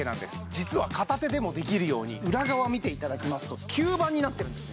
実は片手でもできるように裏側を見ていただきますと吸盤になってるんですね